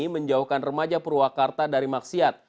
menjauhkan remaja purwakarta dari maksiat